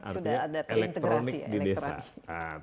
artinya elektronik di desa sudah ada terintegrasi